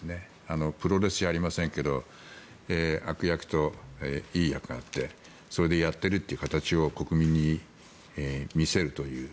プロレスじゃないですが悪役といい役があってそれでやっているという形を国民に見せるという。